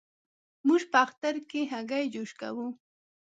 موږ په اختر کې هګی جوش کوو.